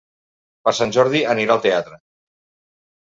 Per Sant Jordi anirà al teatre.